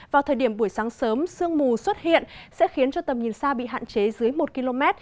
vào thời điểm buổi sáng sớm sương mù xuất hiện sẽ khiến cho tầm nhìn xa bị hạn chế dưới một km